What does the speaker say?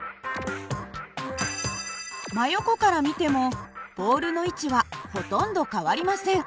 真横から見てもボールの位置はほとんど変わりません。